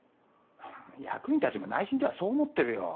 役員たちも内心ではそう思ってるよ。